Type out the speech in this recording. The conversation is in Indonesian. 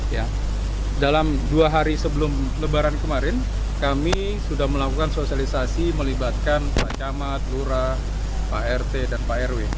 ya dalam dua hari sebelum lebaran kemarin kami sudah melakukan sosialisasi melibatkan pak camat lurah pak rt dan pak rw